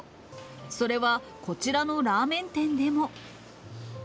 それはこちらのラーメン店でも。